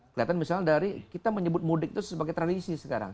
kelihatan misalnya dari kita menyebut mudik itu sebagai tradisi sekarang